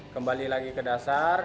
kembali lagi ke dasar